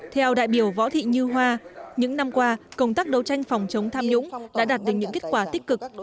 theo đại biểu võ thị như hoa những năm qua công tác đấu tranh phòng chống tham nhũng đã đạt được những kết quả tích cực